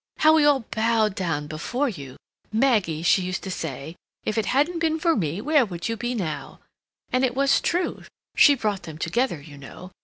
How we all bowed down before you! 'Maggie,' she used to say, 'if it hadn't been for me, where would you be now?' And it was true; she brought them together, you know.